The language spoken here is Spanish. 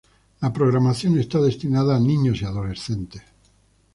La programación está destinada a niños y adolescentes.